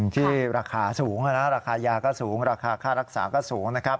ที่ราคาสูงราคายาก็สูงราคาค่ารักษาก็สูงนะครับ